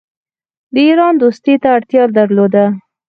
د ایران دوستی ته اړتیا درلوده.